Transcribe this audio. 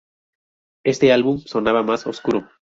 Este álbum sonaba más oscuro.